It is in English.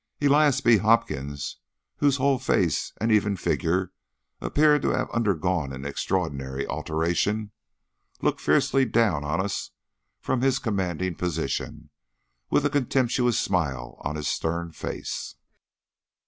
Elias B. Hopkins, whose whole face and even figure appeared to have undergone an extraordinary alteration, looked fiercely down on us from his commanding position, with a contemptuous smile on his stern face.